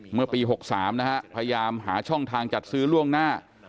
เมื่อปี๖๓นะฮะพยายามหาช่องทางจัดซื้อล่วงหน้า